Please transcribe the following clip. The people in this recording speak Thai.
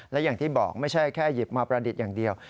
และอย่างที่บอกไม่ใช่แค่หยิบมาประดิษฐ์อย่างเดียว